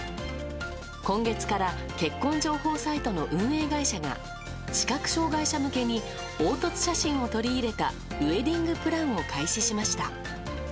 今月から結婚情報サイトの運営会社が視覚障害者向けに凹凸写真を取り入れたウェディングプランを開始しました。